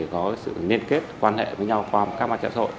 có sự liên kết quan hệ với nhau qua các mạng xã hội